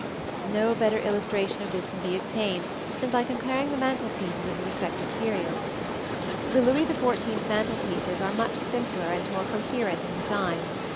No better illustration of this can be obtained than by comparing the mantel pieces of the respective periods. The Louis XIV mantel pieces are much simpler and more coherent in design.